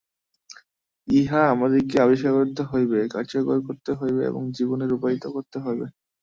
ইহা আমাদিগকে আবিষ্কার করিতে হইবে, কার্যকর করিতে হইবে এবং জীবনে রূপায়িত করিতে হইবে।